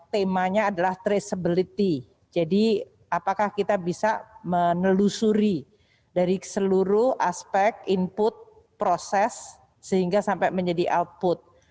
temanya adalah traceability jadi apakah kita bisa menelusuri dari seluruh aspek input proses sehingga sampai menjadi output